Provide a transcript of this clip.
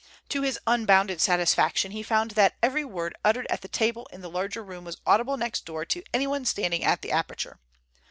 To his unbounded satisfaction, he found that every word uttered at the table in the larger room was audible next door to anyone standing at the aperture.